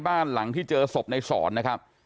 บ้านหลังที่เจอศพในสอนนะครับ